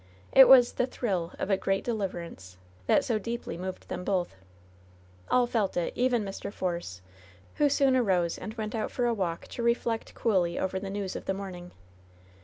It was "The thrill of a great deliverance" that so deeply moved them both. All felt it, even Mr. Force, who soon arose and went out for a walk to reflect coolly over the news of the morning.